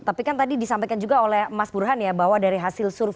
tapi kan tadi disampaikan juga oleh mas burhan ya bahwa dari hasil survei